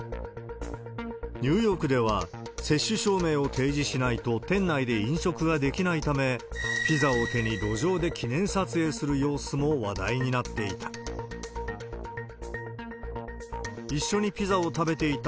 ニューヨークでは、接種証明を提示しないと店内で飲食ができないため、ピザを手に路上で記念撮影する様子も話題になっていた。